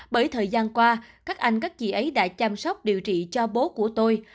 bởi thời gian qua các anh các chị ấy đã chăm sóc điều trị cho bố của tôi